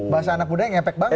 bahasa anak budaya ngepek banget